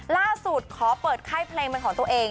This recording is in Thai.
ล่าสุดขอเปิดค่ายเพลงเป็นของตัวเอง